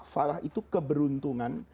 falah itu keberuntungan